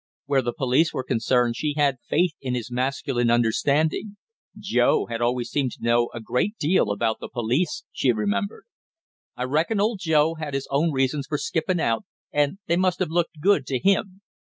Where the police were concerned she had faith in his masculine understanding; Joe had always seemed to know a great deal about the police, she remembered. "I reckon old Joe had his own reasons for skipping out, and they must have looked good to him.